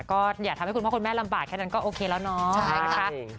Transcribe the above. ก็อย่าทำให้คุณพ่อคุณแม่ลำบากแค่นั้นก็โอเคแล้วเนาะนะคะ